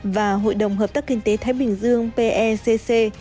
và hội đồng hợp tác kinh tế thái bình dương pecc